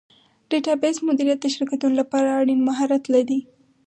ډیټابیس مدیریت د شرکتونو لپاره اړین مهارت دی.